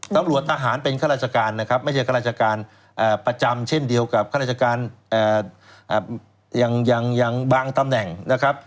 ตำรวจทหารเป็นข้าราชการนะครับไม่ใช่ข้าราชการประจำเช่นเดียวกับข้าราชการอย่างบางตำแหน่งนะครับ